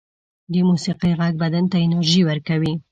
د موسيقۍ غږ بدن ته انرژی ورکوي